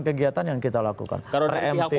kegiatan yang kita lakukan